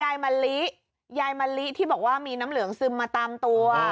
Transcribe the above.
ยายมะลิยายมะลิที่บอกว่ามีน้ำเหลืองซึมมาตามตัว